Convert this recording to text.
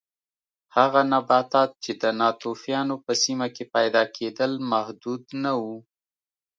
هغه نباتات چې د ناتوفیانو په سیمه کې پیدا کېدل محدود نه و